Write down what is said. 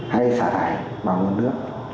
hay sát thải vào nguồn nước